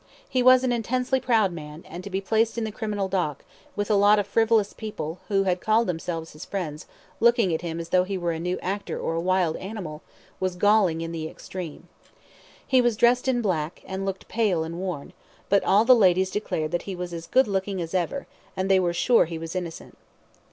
He was an intensely proud man, and to be placed in the criminal dock, with a lot of frivolous people, who had called themselves his friends, looking at him as though he were a new actor or a wild animal, was galling in the extreme. He was dressed in black, and looked pale and worn, but all the ladies declared that he was as good looking as ever, and they were sure he was innocent.